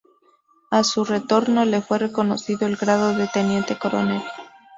A su retorno le fue reconocido el grado de teniente coronel.